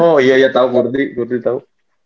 oh iya iya tau kurdi kurdi tau